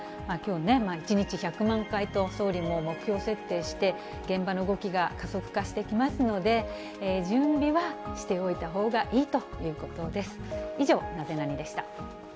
きょうね、１日１００万回と、総理も目標設定して、現場の動きが加速化してきますので、準備はしておいたほうがいいということです。